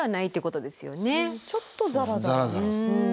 ちょっとザラザラ。